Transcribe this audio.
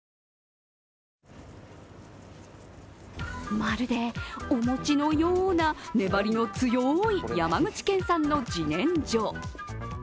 まるで、お餅のような粘りの強い山口県産の自然薯。